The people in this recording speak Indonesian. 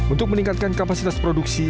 untuk meningkatkan kapasitas produksi